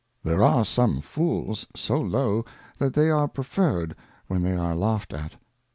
There are some Fools so low, that they are preferred when they are laught at.